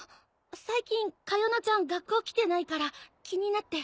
最近カヨノちゃん学校来てないから気になって。